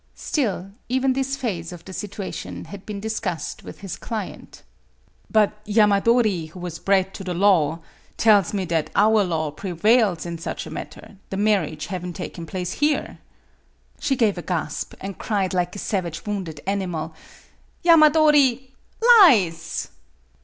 Still, even this phase of the situ ation had been discussed with his client. " But Yamadori, who was bred to the law, tells me that our law prevails in such a matter, the marriage having taken place here." She gave a gasp, and cried like a savage wounded animal: " Yamadori lies!